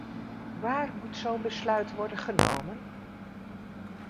Waar moet zo' n besluit worden genomen?